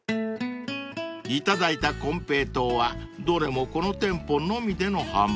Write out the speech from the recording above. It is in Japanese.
［頂いたコンペイトーはどれもこの店舗のみでの販売］